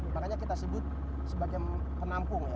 makanya kita sebut sebagai penampung ya